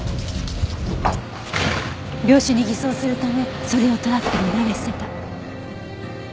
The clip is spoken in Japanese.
病死に偽装するためそれをトラックに投げ捨てた。